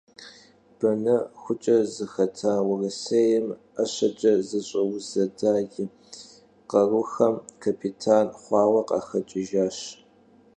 Benexuç'e zıxeta Vurısêym 'eşeç'e Zeş'euzeda yi Kharuxem kapitan xhuaue khıxeç'ıjjaş.